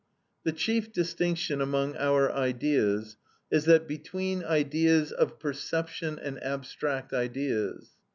The chief distinction among our ideas is that between ideas of perception and abstract ideas.